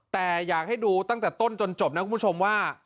แต่อยากให้ดูตั้งแต่ต้นจนจบนะคุณผู้ชมว่า